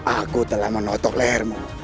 aku telah menotok lehermu